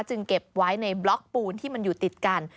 เก็บไว้ในบล็อกปูนที่มันอยู่ติดกัน